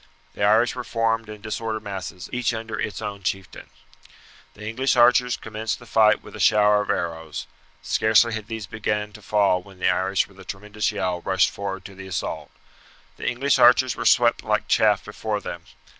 The Irish were formed in disordered masses, each under its own chieftain. The English archers commenced the fight with a shower of arrows. Scarcely had these began to fall when the Irish with a tremendous yell rushed forward to the assault. The English archers were swept like chaff before them.